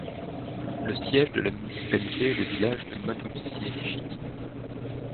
Le siège de la municipalité est le village de Matuzići.